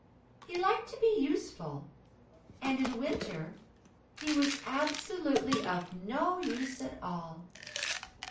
He liked to be useful, and in winter he was absolutely of no use at all.